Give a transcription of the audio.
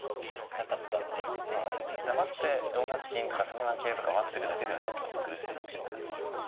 黙って４八金とか３七桂とか待ってるだけではちょっと苦しいっていう感じですか。